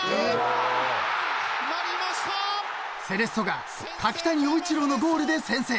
［セレッソが柿谷曜一朗のゴールで先制］